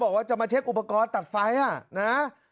บอกว่าจะมาเช็คอุปกรณ์ตัดไฟนะ